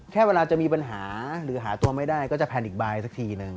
เวลาจะมีปัญหาหรือหาตัวไม่ได้ก็จะแพลนอีกบายสักทีนึง